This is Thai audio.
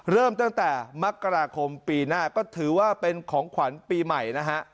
เริ่มตั้งแต่มกราคมปีหน้าก็ถือว่าเป็นของขวัญปีใหม่นะฮะ